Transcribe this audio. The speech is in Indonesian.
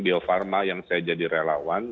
bio farma yang saya jadi relawan